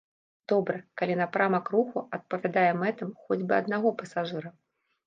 Добра, калі напрамак руху адпавядае мэтам хоць бы аднаго пасажыра.